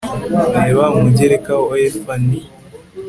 Reba Umugereka wa Efa ni